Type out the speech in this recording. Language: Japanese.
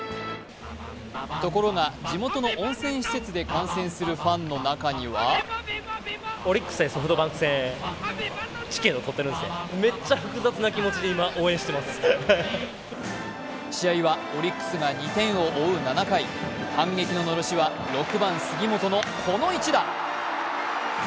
ところが地元の温泉施設で観戦するファンの中には試合はオリックスが２点を追う７回、反撃ののろしは６番・杉本のこの一打。